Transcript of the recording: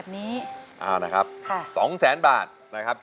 เปลี่ยนเพลงเก่งของคุณและข้ามผิดได้๑คำ